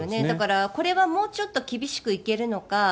だからこれはもうちょっと厳しくいけるのか